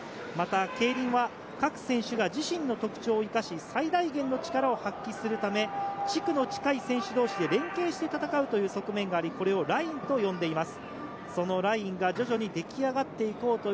競輪は各選手が自身の特徴を生かし、最大限の力を発揮するため、地区の近い選手同士で連携して戦うという側面があり、ラインと呼んでいます。